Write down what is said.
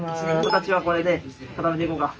形はこれで固めていこうか。